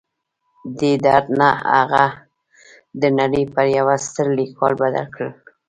دې درد هغه د نړۍ پر یوه ستر لیکوال بدل کړ